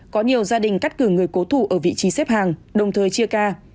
có nhiều gia đình cắt cử người cố thủ ở vị trí xếp hàng đồng thời chia ca